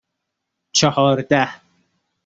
چهارده